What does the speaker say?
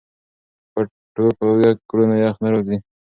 که پټو په اوږه کړو نو یخ نه راځي.